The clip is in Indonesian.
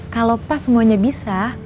kalau pas semuanya bisa